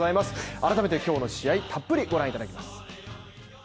改めて今日の試合たっぷりご覧いただきます。